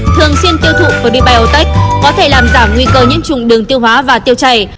thường xuyên tiêu thụ prebiotech có thể làm giảm nguy cơ những trùng đường tiêu hóa và tiêu chảy